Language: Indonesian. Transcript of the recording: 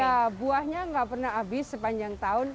ya buahnya nggak pernah habis sepanjang tahun